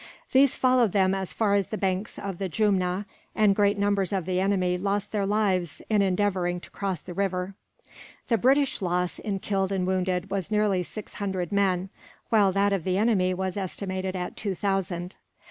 These followed them as far as the banks of the Jumna, and great numbers of the enemy lost their lives in endeavouring to cross the river. The British loss, in killed and wounded, was nearly six hundred men; while that of the enemy was estimated at two thousand.